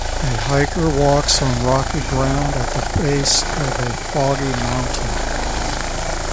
A hiker walks on rocky ground at the base of a foggy mountain.